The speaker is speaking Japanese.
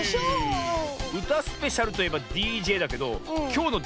うたスペシャルといえばＤＪだけどきょうのＤＪはだれだ？